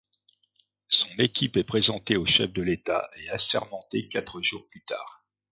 Son équipe est présentée au chef de l'État et assermentée quatre jours plus tard.